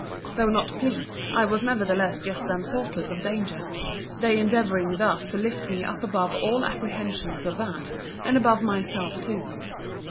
Though not pleased, I was nevertheless just then thoughtless of danger; they endeavouring thus to lift me up above all apprehensions of that, and above myself too.